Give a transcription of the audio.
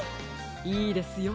いいですよ。